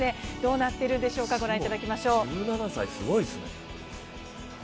どうなってるんでしょうかご覧いただきましょう。